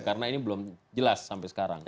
karena ini belum jelas sampai sekarang